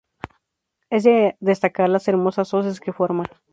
Es de destacar las hermosas hoces que forma.